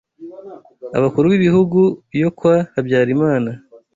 abakuru b’ibihugu yo kwa “Habyarimana”,